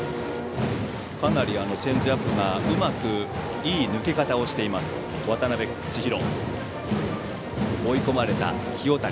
かなりチェンジアップがうまくいい抜け方をしています渡辺千尋。